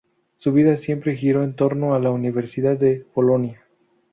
Su vida siempre giró en torno a la Universidad de Bolonia.